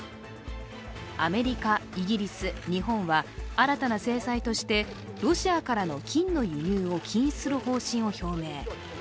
アメリカ、イギリス、日本は新たな制裁としてロシアからの金の輸入を禁止する方針を表明。